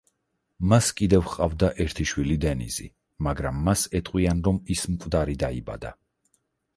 მას კიდევ ჰყავდა ერთი შვილი დენიზი, მაგრამ მას ეტყვიან რომ ის მკვდარი დაიბადა.